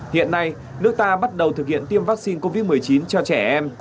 hiện nay nước ta bắt đầu thực hiện tiêm vaccine covid một mươi chín cho trẻ em